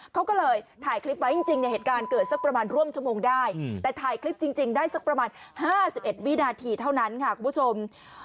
เขาก็เลยถ่ายคลิปไว้จริงเนี่ยเหตุการณ์เกิดสักประมาณร่วมชั่วโมงได้แต่ถ่ายคลิปจริงได้สักประมาณ๕๑วินาทีเท่านั้นค่ะคุณผู้ชม